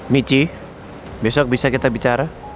michi besok bisa kita bicara